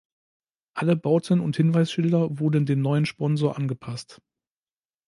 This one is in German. Alle Bauten und Hinweisschilder wurden dem neuen Sponsor angepasst.